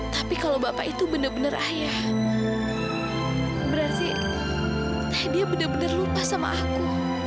tapi kalau bapak itu bener bener ayah berarti dia bener bener lupa sama aku